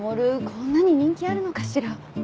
こんなに人気あるのかしら？